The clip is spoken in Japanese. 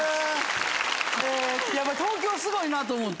やっぱ東京すごいなと思って。